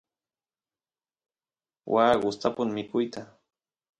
waa gustapun mikuyta